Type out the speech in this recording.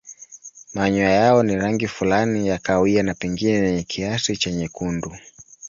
Manyoya yao ni rangi fulani ya kahawia na pengine yenye kiasi cha nyekundu.